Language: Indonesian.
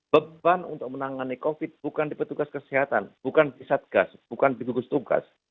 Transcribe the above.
beban untuk menangani covid bukan di petugas kesehatan bukan di satgas bukan di gugus tugas